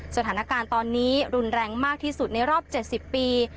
สถานการณ์ตอนนี้รุนแรงมากที่สุดในรอบ๗๐ปี